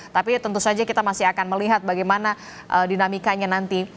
tapi tentu saja kita masih akan melihat bagaimana dinamikanya nanti